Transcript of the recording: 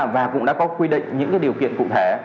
và cũng đã có quy định những điều kiện cụ thể